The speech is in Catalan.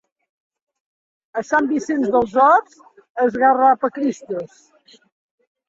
A Sant Vicenç dels Horts, esgarrapacristos.